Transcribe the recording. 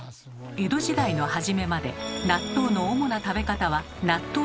江戸時代の初めまで納豆の主な食べ方は納豆汁でした。